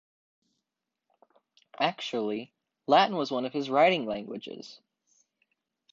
Actually, Latin was one of his writing languages.